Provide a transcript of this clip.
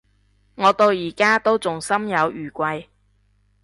我到而家都仲心有餘悸